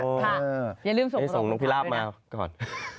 อย่าลืมส่งลูกค้าด้วยนะส่งน้องพี่ลาบมาก่อน